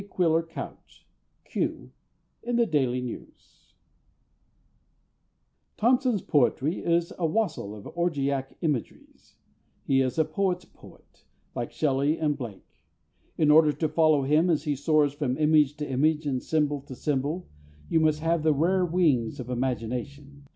QUILLER COUCH ("Q"), in The Daily News. Thompson's poetry is a "wassail of orgiac imageries." He is a poet's poet, like SHELLEY and BLAKE. In order to follow him as he soars from image to image and symbol to symbol, you must have the rare wings of imagination....